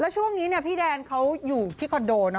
ช่วงนี้พี่แดนเขาอยู่ที่คอนโดนะ